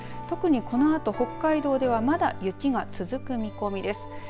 特に、このあと北海道ではまだ雪が続く見込みです。